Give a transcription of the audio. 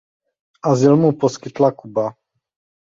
Azyl mu poskytla Kuba.